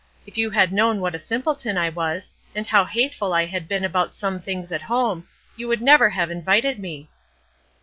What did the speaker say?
If you had known what a simpleton I was, and how hateful I had been about some things at home, you would never have invited me.